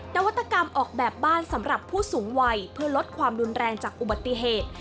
นวัตกรรมออกแบบบ้านสำหรับผู้สูงวัยเพื่อลดความรุนแรงจากอุบัติเหตุ